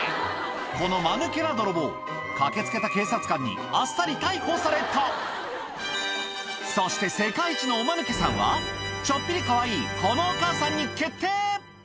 このマヌケな泥棒駆け付けた警察官にあっさり逮捕されたそして世界一のおマヌケさんはちょっぴりかわいいこのお母さんに決定！